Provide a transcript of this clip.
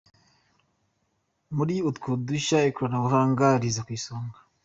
Muri utwo tushya, ikoranabuhanga riza ku isonga.